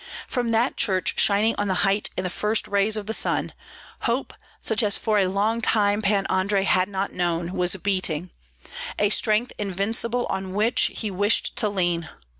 From that church shining on the height in the first rays of the sun, hope, such as for a long time Pan Andrei had not known, was beating, a strength invincible on which he wished to lean.